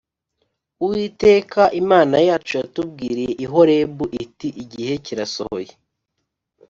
Uwiteka Imana yacu yatubwiriye i Horebu iti Igihe kirasohoye